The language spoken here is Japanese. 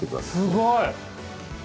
すごい！